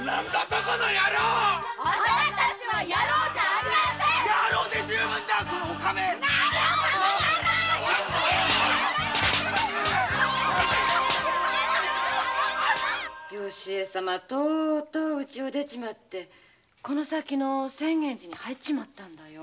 とうとう家を出ちまってこの先の仙源寺に入っちまったのよ。